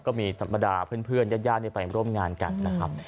ก็มีธรรมดาเพื่อนญาติไปร่วมงานกันนะครับ